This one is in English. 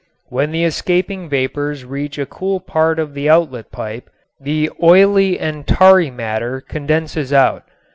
When the escaping vapors reach a cool part of the outlet pipe the oily and tarry matter condenses out.